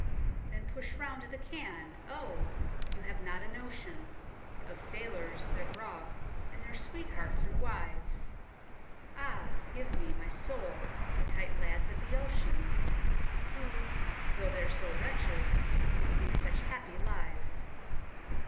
Then push round the can oh ! you have not a notion Of sailors, their grog, and their sweethearts and wives. Ah I give me, my soul, the tight lads of the ocean, Who, though they're so wretched, lead such happy lives.